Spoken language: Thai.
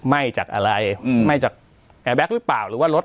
ไหม้จากอะไรอืมไหม้จากแอร์แก๊กหรือเปล่าหรือว่ารถ